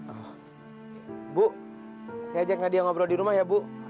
oh bu saya ajak nadi yang ngobrol di rumah ya bu